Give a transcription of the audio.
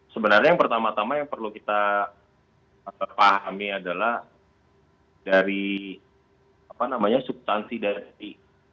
sebenarnya yang pertama tama yang perlu kita pahami adalah dari substansi dari